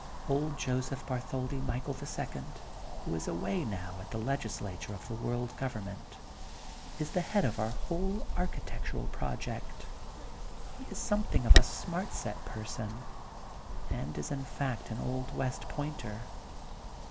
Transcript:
Old Joseph Bartholdi Michael, the Second, who is away now at the legislature of the World Gov 80 THE GOLDEN BOOK OF SPRINGFIELD emment, is the head of our whole architec tural project. He is something of a Smart Set person, and is in fact an old West Pointer.